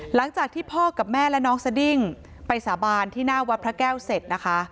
หลังจากที่พ่อกับแม่และน้องสดิ้งไปสาบานที่หน้าวัดพระแก้วเสร็จนะคะ